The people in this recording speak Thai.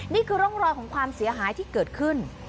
นี่คือร่องรอยของความเสียหายที่เกิดขึ้น